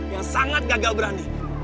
yang sangat gagal berani